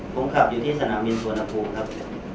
ผมขับอยู่ที่สนามบินสุวรรณภูมิครับ